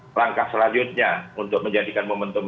langkah selanjutnya untuk menjadikan momentum